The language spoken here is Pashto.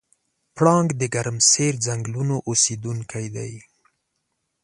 پړانګ د ګرمسیر ځنګلونو اوسېدونکی دی.